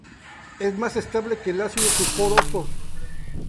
Es más estable que el ácido sulfuroso.